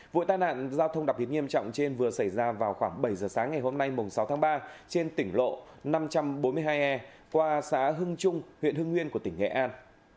vụ tai nạn giao thông đặc biệt nghiêm trọng trên vừa xảy ra vào khoảng bảy giờ sáng ngày hôm nay sáu tháng ba trên tỉnh lộ năm trăm bốn mươi hai e qua xã hưng trung huyện hưng nguyên của tỉnh nghệ an